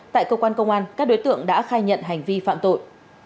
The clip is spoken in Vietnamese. tại công an các đối tượng đã khai nhận hành vi phạm tội